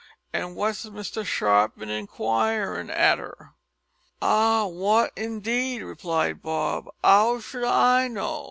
But what's Mr Sharp bin inquiring arter?" "Ah wot indeed!" replied Bob; "'ow should I know?